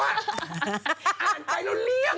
อ่านไปเราเลี่ยง